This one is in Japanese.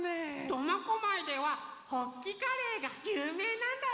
苫小牧ではホッキカレーがゆうめいなんだよ。